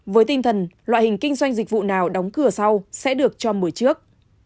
với tinh thần loại hình kinh doanh dịch vụ nào đóng cửa sau sẽ được cho buổi trước